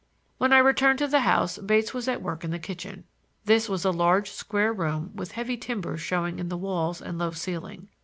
When I returned to the house Bates was at work in the kitchen. This was a large square room with heavy timbers showing in the walls and low ceiling.